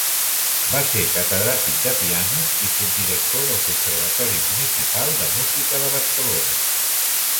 Va ser catedràtic de piano i subdirector del Conservatori Municipal de Música Barcelona.